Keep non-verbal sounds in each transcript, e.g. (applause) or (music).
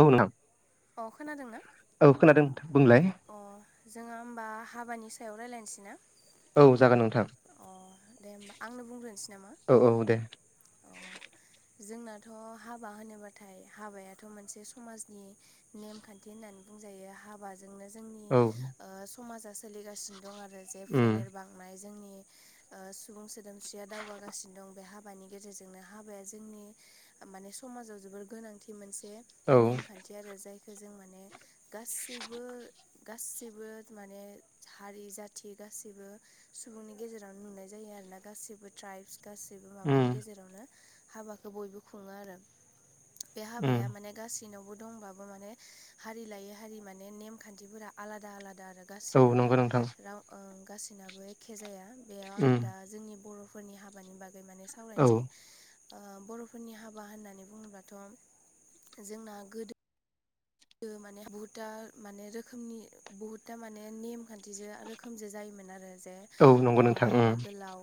औ नोंथां औ खोनादोंना औ खोनादों बुंलाय अ जोङो ओमबा हाबानि सायाव रायलायनोसै ना औ जागोन नोंथां अ दे ओमबा आंनो बुंग्रोनोसै नामा औ औ दे अ जोंनाथ' हाबा होनोब्लाथाय हाबायाथ' मोनसे समाजनि नेमखान्थि होननानै बुंजायो हा हाबाजोंनो जोंनि औ ओ समा सोलिगासिनो दं आरो जे उम फोलेर बांनाय जोंनि ओ सुबुं सोदोमस्रिया दावगागासिनो दं बे हाबानि गेजेरजोंनो हाबाया जोंनि माने समाजाव जोबोर गोनांथि मोनसे औ नेमखान्थि आरो जायखौ जों माने गासैबो गासिबो माने हारि जाथि गासिबो सुबुंनि गेजेरावनो नुनाय जायो आरो ना गासैबो ट्राइब्स गासैबो माबानि उम गेजेरावनो हाबाखौ बयबो खुङो आरो बे उम हाबाया माने गासैनावबो दंबाबो माने हारि लायै हारि माने नेमखान्थिफोरा आलादा आलादा आरो औ गासैनाबो नंगौ नोंथां राव ओं गासैनाबो एखे जाया बेयाव आं उम दा जोंनि बर'फोरनि हाबानि बागै माने सा औ सावरायनोसै बर'फोरनि हाबा होननानै बुङोबाथ' जोंना गोदो माने बुहुता माने रोखोमनि बुहुतथा माने नेम खान्थि रोखोमजो जायोमोन आरो जे औ नंगौ ओ नोंथां उम हाबा गोलाव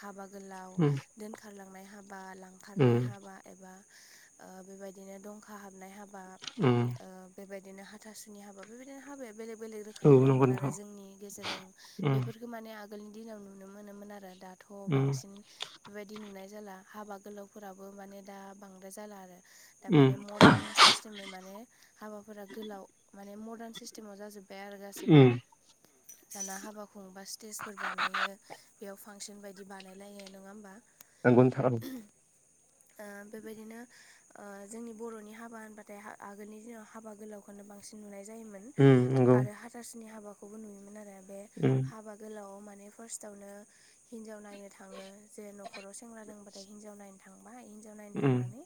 हाबा गोलाव उम दोनखारलांनाय हाबा उम लांखारनाय हाबा एबा ओ बेबायदिनो दंखा हाबनाय हाबा उम बेबायदिनो हाथासुनि हाबा बेबायदिनो हाबाया बेलेग बेलेग औ रोखोमनि नंगौ दंमोन आरो नोंथां जोंनि गेजेराव उम बेफोरखौ माने आ गोलनि दिनाव नुनो मोनोमोन आरो दाथ' उम बांसिन बेबायदि नुनाय जाला हाबा गोलावफोराबो माने दा बांद्राय जाला आरो दा उम माने मदार्न सिस्टेमै माने हाबाफोरा गोलाव माने मदार्न सिस्टेमाव जाजोब बाय आरो गासिबो उम दाना हाबा खुंबा स्टेजफोर बानाय बे याव फांसन बायदि बानायलायो नङा ओमबा नंगौ नोंथां ओ बेबायदिनो ओ जोंनि बर'नि हाबा होनबाथायो आ आगोलनि दिनाव हाबा गोलावखौनो बांसिन नुनाय जायोमोन उम नंगौ आरो सार्चनि हाबाखौबो नुयोमोन आरो बे उम हाबा गोलावआव माने फार्स्टावनो हिनजावनाय नो थाङो जे नखराव सेंग्रा दोङोबाथाय हिनजाव नायनो थांबाय हिनजाव नायनो उम थांनानै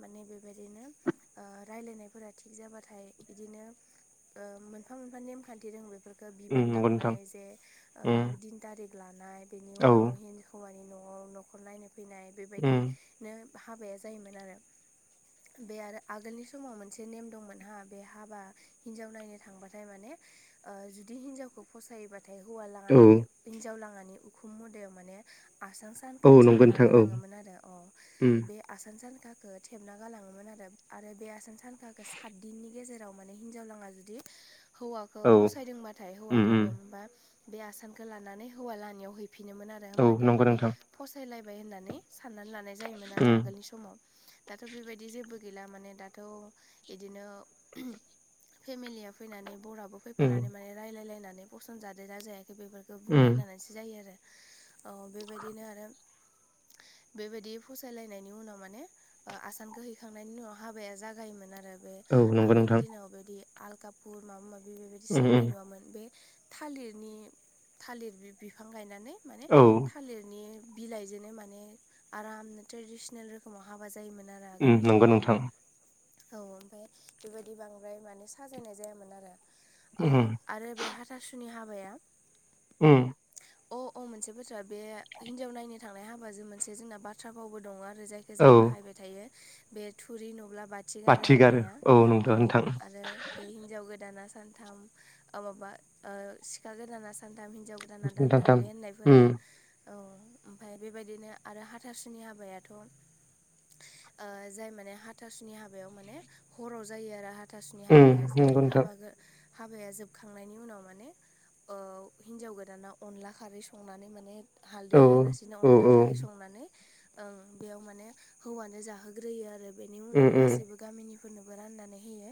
माने बेबायदिनो ओ रायलायनाय फोरा थिग जाबाथाय बिदिनो ओ मोनफा मोनफा नेमखान्थि दोङो बेफोर ओ उम बिबान नंगौ नोंथां लांनाय जे उम ओ दिन तारिख लानाय बेनि औ उनाव हिन हौवानि नि न'वाव नखर नायनो फैनाय उम औ बेबायदि नो हाबाया जायोमोन आरो बे आरो आगोलनि समाव मोन से नेम दंमोनहा बे हाबा हिनजाव नायनो थांबाथाय माने ओ जुदि हिन्जावखौ फसायोबा थाय हौवालाङा माने हिनजाव लाङानि उखुम मुदायाव माने आसान सांखा औ नंगौ थेबना नोंथां औ उम गालाङोमोन आरो अ बे आसान सानखाखो थेबना गालाङोमोन आरो बे आसान सान थाखो सात दिननि गेजेराव माने हिनजावलाङा जुदि हौवाखो औ फसायदोंबाथाय हौवा उम उम खौबो होमबा बे आसानखो लानानै हौवा लानियाव हैफिनोमोन आरो औ होमबानिया नंगौ माने नोंथां फसायलायबाय होननानै साननानै लानाय जायोमोन आरो उम आगोलनि समाव दाथ' बेबायदि जेबो गैला माने दाथ' इदिनो (unintelligible) फेमिलिया फैनानै बराबो उम फैफानानै माने रायलायलायनानै पसन जादोना जायाखै बेफोरखो उम बुंलायनानैसो जायो आरो अ बेबायदिनो आरो बेबायदि फसायलायनायनि उनाव माने ओ आसानखो हैखांनायनि उनाव हाबाया जागायोमोन आ बे औ नंगौ आगोलनि नोंथां दिनाव बेदि आल कापुर माबा माबि बेबायदि उम उम सोंनाय नुवामोन बे थालिरनि थालिर बि बिफां गायनानै माने औ थालिरनि बिलाइजोंनो माने आरामनो ट्रेडिसनेल रोखोमाव हाबा जायोमोन आरो उम आगोलनि नंगौ समाव नोंथां औ ओमफ्राय बेबायदि बांद्राय माने साजायनाय जायामोन आरो ओ उम आरो बे हाथासुनि हाबाया उम (inaudible) अ अ मोनसे बोथ्रा बे हिनजाव नायनो थांनाय हाबाजों मोनसे जोंना बाथ्रा बावबो दङ' आरो जाय जों औ बाहायबाय थायो बे थुरि नुब्ला बाथ थिग आरो बाथि गारो होननाया औ नंगौ अ नोंथां आरो बे हिनजाव गोदाना सानथाम अ माबा ओ सिखा गोदाना सानथाम हिनजाव गोद दाना दानथाम नोंथां बे होननायफोरा उम औ ओमफाय बेबायदिनो आरो हाथारसुनि हाबायाथ' ओ जाय माने हाथासुनि हाब बायाव माने हराव जायो आरो हाथासुनि उम हाबाया जे नंगौ नोंथां हाबा गो हाबाया जोबखांनायनि उनाव माने औ हिन्जाव गोदाना अनला खारै संनानै माने हालदै औ होआलासिनो औ अनला औ खारै संनानै ओं बेयाव माने हौवानो जाहोग्रोयो आरो बेनि उम उनाव उम बो गामिनि फोरनोबो रान्नानै होयो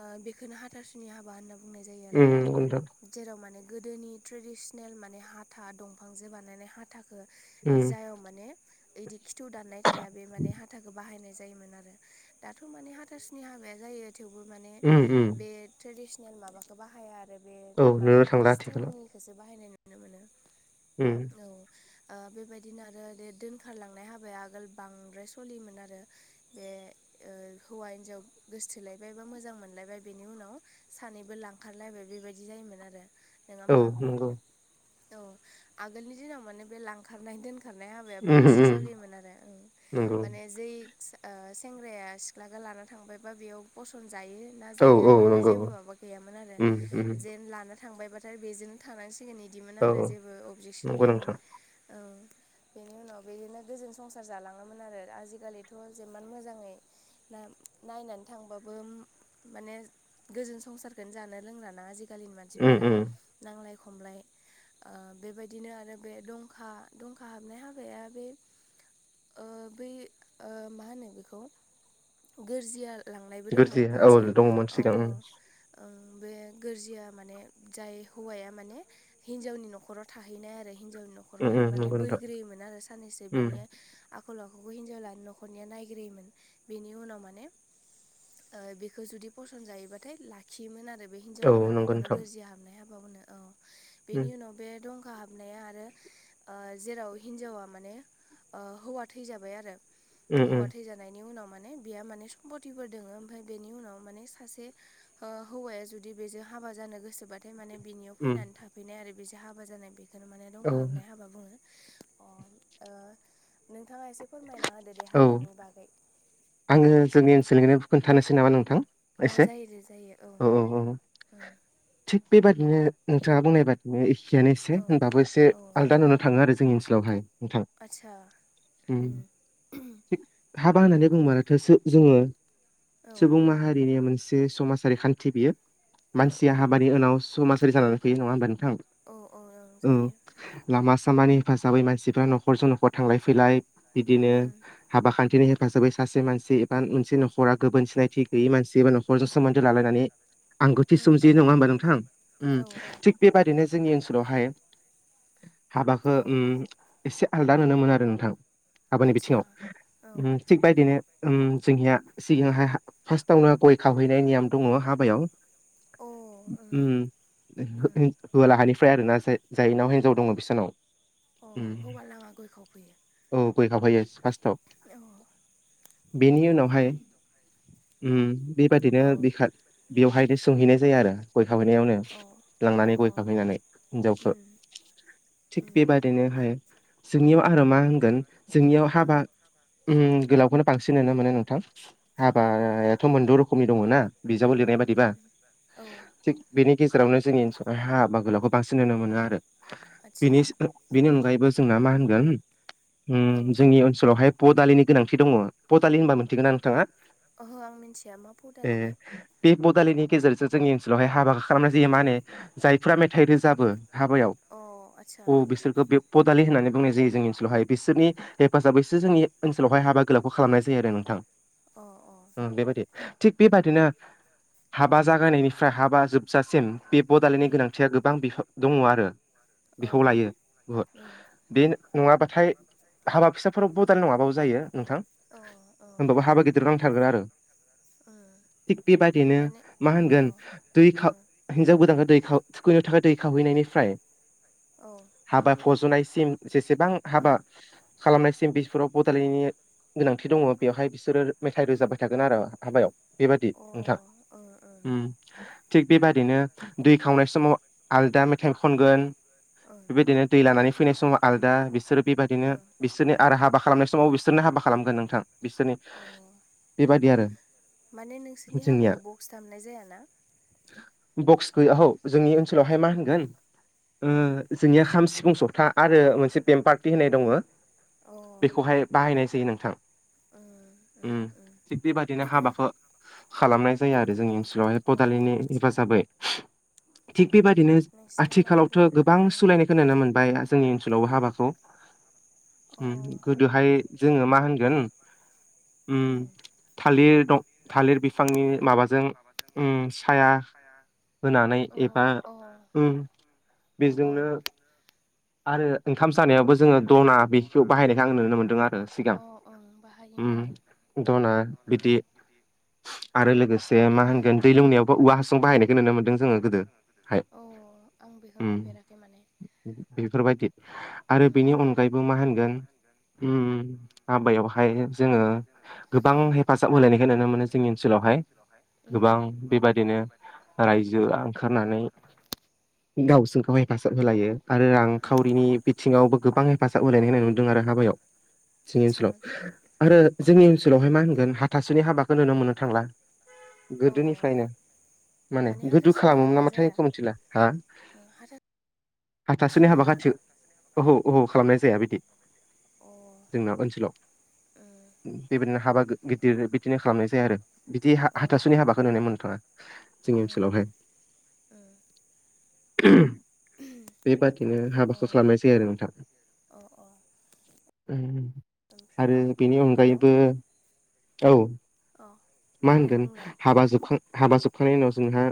ओ बेखोनो हाथा सुनि हाबा होन्ना बुंनाय जायो आरो उम नंगौ नोंथां जेराव माने गोदोनि ट्रेडिसनेल माने हाथा दंफांजो बानायनाय हाथा खो उम जायाव माने ओइदि खिथु दाननाय थाया बे माने हाथाखौ बाहायनाय जायोमोन आरो दाथ' माने हाथासुनि हाबाया जायो थेवबो माने उम उम बे ट्रेडिसनेल माबाखो बाहाया आरो बे औ नुनो माबानि थांला आथिखालाव स्टिलनिखोसो बाहायनाय नुनो मोनो उम औ आ बेबायदिनो आरो बे दोनखारलांनाय हाबाया आगोल बांद्राय सलियोमोन आरो बे ओ हौवा हिनजाव गोसथोलायबाय बा मोजां मोनलायबाय बेनि उनाव सानैबो लांखारलायबाय बेबायदि जायोमोन आरो नङा औ होमबा नंगौ औ आगोलनि दिनाव माने बे लांखारनाय दोन हाब्बाया हाबाया उम बांसिन उम सोलियोमोन आरो ओं नंगौ माने जोइ सो आ सें हुवाया सिख्लाखो लाना थांबायबा बेयाव फसन जायो ना औ जाया औ बेनि नंगौ जेबो माबा गैयामोन आरो उम उम जेन लानो थांबायबाथाय बेजोंनो थानांसिगोन इदि बिदि मोन औ आरो जेबो अबजेकसन नंगौ गैयामोन नोंथां औ बेनि उनाव बिदिनो गोजोन संसार जालाङोमोन आरो आजिखालिथ' जेमान मोजाङै ना नायनानै थांबाबो माने गोजोन संसारखोनो जानो लोंला ना आजि खालिनि उम मानसिफोरा उम नांलाय खमलाय आ बेबायदिनो आरो बे दंखा दंखा हाबनाय हाबाया बे ओ बै ओ मा होनो बेखौ गोरजिया लांनायबो दंमोना गोरजिया औ मोनसे दङमोन ओ सिगां उम ओ ओ बे गोरजिया माने जाय हौवाया माने हिनजावनि न'खराव थाहैनाय आरो हिनजावनि न' खराव उम थांनानै नंगौ नोंथां बैग्रोयोमोन आरो साननैसो उम बिनि आखल आखुखौ हिनजाव लान न'खरनिया नायग्रोयोमोन। बेनि उनाव माने ओ बेखौ जुदि फसन जायोबाथाय ला खियोमोन आरो बे औ हिनजावलाङा नंगौ बेखौनो नोंथां गोरजिया हाबनाय हाबानो औ उम बेनि उनाव बे दंखा हाबनाया आरो ओ जेराव हिन्जावा माने ओ हौवा थैजाबाय आरो उम हौवा उम थैजानायनि उनाव माने बेयो माने सम्पतिफोर दोङो ओमफफ्राय बेनि उनाव माने सासे ओ हौवाया जुदि बेजों हाबा जानो गोसोबा नाथाय माने बिनियाव उम फैनानै थाफैनाय आरो बेदि हाबा जानाय बेखोनो माने दंखा हाबनाय हाबा बुङो अ ओ नोंथाङा एसे फोरमायना होदो दे औ औ हाबानि बागै आङो जोंनि ओनसोलैना खोन्थानोसै नामा नोंथां अ एसे जायो दे जायो औ उम थिग बेबादिनो नोंथाङा बुंनाय बादि बे एखेयानो औ एसे होनबाबो एसे औ आलदा नुनो थाङो आरो जोंनि ओनसोलावहाय नोंथां आदसा उम थिग हाबा होननानै बुङो माथो जो जोङो औ सुबुं माहारिनि मोनसे समाज सारि खान्थि बियो औ औ मानसिया हाबानि उनाव समाजारि जानानै फैयो नङा होमबा नोंथां औ औ ओं औ जायो लामा सामानि हेफाजाबै मानसिफ्रा न'खरजों न'खर थांलाय फैलाय बिदिनो उम हाबा खान्थिनि हेफाजाबै खासे मानसि एबा मोनसे न'खरा गोबोन सिनायथि गैयै मानसि एबा न'खरजों सोमोन्दो लालायनानै आंगौथि उम औ सोमजियो नङा होमबा नोंथां उम औ औ थिग बेबादिनो जोंनि ओनसोलावहाय हाबाखौ औ उम एसे आलदा नुनो मोनो आरो नोंथां। हाबानि आदसा बिथिङाव औ ओम अ थिग बायदिनो उम जोंनिया सिगांहाय हा फास्तावनो गय खावहैनाय नियम दङ' हाबायाव ओं उम उम होवालाहानिफ्राय आरो ना जाय-जायनाव हिनजाव दङ' बिसानाव अ हौवा लागा गय खावफैयो? औ गय खावफैयो फास्थआव। अ बेनि उनावहाय उम बेबादिनो बिखा बेवहायनो सोंहैनाय जायो आरो गय खावहैनायावनो। औ अ लांनानै गय अ खावहैनानै हिनजावखौ उम थिग उम बेबायदिनो हाय जोंनियाव आरो मा होनगोन जोंनियाव उम हाबा ओम गोलावखौनो बांसिन नुनो मोनो नोंथां, औ हाबायाथ' मोनद' रोखोमनि दङ' ना? बिजाबाव लिरनाय उम बायदिबा उम औ थिग बेनि गेजेरावनो जोंनि ओनसोलाव हाबा गोलावखौ बांसिन नुनो मोनो आरो आदसा बिनि बेनि अनगायैबो जोंना मा होनगोन उम औ जोंनि ओनसोलावहाय फ दालिनि गोनांथि दङ' पटालि होनबा मोनथिगोन ना नोंथाङा? ओहो आं मिन्थिया मा ए फदालि बे? बे बदालिनि गेजेरजों जोंनि ओनसोलावहाय हाबा खालामनाय जायो माने जायफ्रा मेथाइ रोजाबो हाबायाव अ आदसा औ बिसोरखौ बे पदालि होननानै बुंनाय जायो जोंनि ओनसोलाव हायो बिसोरनि हेफाजाबैसो जोंनि ओन सोलावहाय हाबागोलावखौ खालामनाय जायो आरो नोंथां। अ अ। ओ बेबायदि थिग बेबायदिनो हाबा जागायनायनिफ्राय हाबा जोबजासिम बे बदालिनि उम गोनांथिया गोबां बिहा दं आरो अ बिखौ लायो बहुत उम बे नङाबाथाय हाबा फिसाफोराव बदालि नङाबाबो जायो नोंथां। अ अ होमबाबो हाबा गिदिराव नांथारगोन आरो उम थिग बेबायदिनो माने मा अ ओ होनगोन दै खाव हिनजाव गोदानखौ दै थुखैनो थाखाय दै खावहैनायनिफ्राय औ। हाबा फज'नायसिम जेसेबां अ हाबा खालामनायसिम बेफोराव बडालिनि गोनांथि दङ बेवहाय बिसोरो मेथाइ रोजाबाय थागोन आरो हाबायाव। बेबायदि ओ नोंथां ओं ओम। थिग बेबादिनो दै खावनाय समाव आलदा मेथाइ खनगोन ओं बेबायदिनो दै लानानै फैनाय समाव आलदा बिसोरो बेबायदिनो बिसोरनि आरो हाबा खालामनाय समाव समाव बिसोरनो हाबा खालामगोन नोंथां। बिसोरनि ओं अ बेबादि आरो माने नोंसोरनि जोंनिया। हाबायाव बक्स दामनाय जायाना बक्स गैया हौ जोंनि ओनसोलावहाय मा होनगोन ओ ओं जोंनिया खाम, सिफुं, जथा आरो मोनसे बेम पार्टि होननाय दङो अ बेखौहाय बाहायनाय जायो नोंथां। ओ ओ उम ओ थिग बेबादिनो हाबाखौ खालामनाय जायो आरो जोंनि सोआवहाय ओं अ पदालिनि आदसा हेफाजाबै। थिग बेबादिनो नोंसिना माने आथिखालावथ' बेनि गोबां सलायनायखौ नुनो मोनबाय जोंनि ओनसोल (inaudible) हाबाखौ ओ ओम अ गोदोहाय जोङो मा होनगोन ओम उम थालिर दं थालिर बिफांनि माबाजों ओम साया होनानै अ एबा औ उम बेजोंनो आरो ओंखाम जानायावबो जोङो द'ना बेखौ बाहायनायखाय आं नुनो मोनदों आरो सिगां अ ओं उम बाहायोमोन द'ना बिदि आरो लोगोसे मा होनगोन दै लोंनायावबो औवा हासुं बाहायनायखौ नुनो मोन्दों जोङो गोदो। अ आं बेखौ नुफेराखै माने बेफोरबायदि आरो ओं बेनि अनगायैबो मा होनगोन उम हाबायावहाय जोङो गोबां हेफाजाब होलायनायखो नुनो मोनो जोंनि ओनसोलावहाय उम गोबां बेबादिनो रायजो ओंखारनानै गावजों गाव हेफाजाब होलायो आरो उम रांखावरिनि बिथिङावबो गोबां हेफाजाब होलायनाय होनाय नुदों आरो हाबायाव जोंनि आदसा ओनसोलाव उम आरो जोंनि ओनसोलावहाय मा होनगोन हाथासुनि हाबाखोनुनो मोननो थांला अ गोदोनिफ्रायनो माने गोदो खालामोमोन नामाथाय इखौ मिथिला हा आरो हाथासुनि हाबा खाथि अहो अहो खालामनाय जाया बिदि अ जोंना ओनसोलाव उम बेबायदिनो हाबा गिदिर बिदिनो खालामनाय जाया आरो बिदि हा औ हाथासुनि हाबाखौ नुनो मोननो थाङा जोंनि उम ओनसोलावहाय उम (inaudible) बेबादिनो अ हाबाखो खालामनाय जायो आरो नोंथां। अ उम ओमफ्राय आरो बेनि हेलौ अनगायैबो औ। अ मा दे होनगोन बुंलाय हाबा जोब हाबा जोबखांनायनि उनाव जोंहा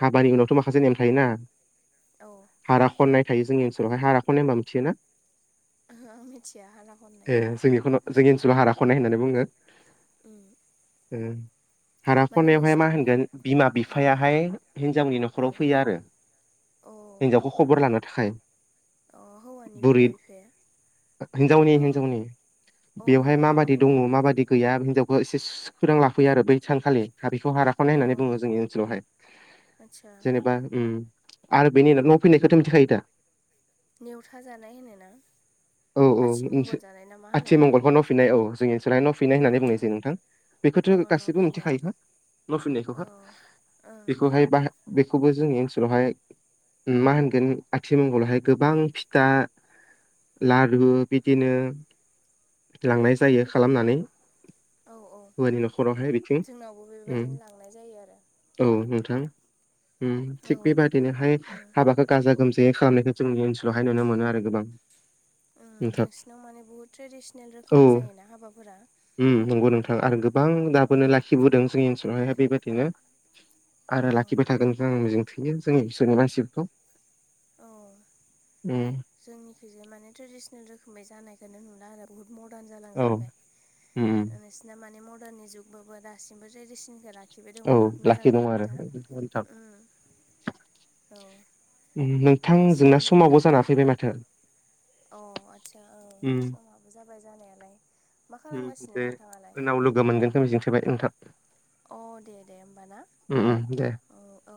हाबानि उनावथ' माखासे नेम थायोना औ हारा खननाय थायो जोंनि ओनसोलावहाय हारा खननाय होनबा मिथियो ना ओहो आं मिथिया हारा खननाय जोंनिखौल' जोंनि ओनसोलाव हारा खननाय होननानै बुङो। उम। उम। हारा माने खनायावहाय मा नोंसिनाव बुहुद होनगोन बिमा-बिफायाहाय हिनजावनि ओ न'खराव फैया आरो अ। हिन्जावखौ खबर लानो थाखाय अ हौवानि बुरै बिमा-बिफाया हिनजावनि हिनजावनि बेवहाय अ माबादि दङ अ माबादि गैया हिनजावखौ एसे स फोरों लाफैयो आरो बै सानखालि बेखौ हारा खनाय अ नायनानै बुंङो जोंनि ओनसोलावहाय आदसा जेनेबा उम आरो बेनि उम उनाव न फैनायखौथ' मिथिखायो दा? नेवथा जानाय होनोना? औ औ नोंसो आथिमंगल जानाय ना मा होनो आथिमंगलख न'फिन्नाय औ जोंनि ओनसोलहायाव न' फिननाय अ होननानै अ बुंनाय जायो नोंथां। अ फोरथिं न' गासिबो फिनाय मिथिखायो ना न' औ फिननायखौहा ओं बेखौहाय बाय बेखौबो जोंनि ओनसोलावहाय मा होनगोन आथिमंगलाहाय गोबां फिथा लारु बिदिनो उम लांनाय जायो खालामनानै औ औ हुवानि न'खरावहाय बिथिं जोंनावबो उम बेबायदिनो लांनाय जायो आरो औ नोंथां उम औ थिग बेबादिनोहाय उम हाबाखो गाजा-गोमजायै खालामनायखौ जोंनि ओनसालावहाय नुनो मोनो आरो गोबां उम नोंथां नोंसिनाव माने बुहुद ट्रेडिसनेल औ रोखोमै जायोना हाबाफोरा उम ओ आरो गोबां अ दाबोनो लाखिबोदों जोंनि ओनसोलावहाय बेबायदिनो आरो अ लाखिबाय थागोनखो आं मिजिं थायो जोंनि (unintelligible) औ उम जोंनिखैजाय माने ट्रेडिसनेल रोखोमै जानायखोनो नुला आरो। बुहुद मदार्न औ जालांजोबबाय ओ उम नोंसि दा माने मडार्ननि जुगबो दासिबो ट्रेडिसिन (unintelligible) थिबाय दं औ बहुत लाखि मोजांनि दं आरो खोथा नोंथां उम औ उम नोंथां जोंना नोंसोरनि समावबो जाना फैबाय माथो। अ आत्सा औ उम समाबो जाबाय जानायालाय मा खालामगासिनो नोंथांङालाय? गो मोनगोनखौ मिजिंथिबाय नोंथां। अ दे दे होमबा ना उम उम दे औ औ